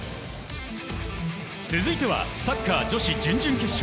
続いてはサッカー女子準々決勝。